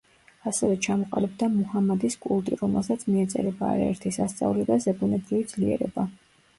ასევე ჩამოყალიბდა მუჰამადის კულტი, რომელსა მიეწერება არაერთი სასწაული და ზებუნებრივი ძლიერება.